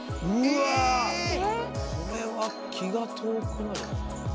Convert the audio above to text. えこれは気が遠くなる。